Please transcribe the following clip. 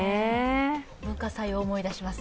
文化祭を思い出します。